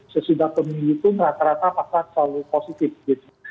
sesudah pemilu itu rata rata pasar selalu positif gitu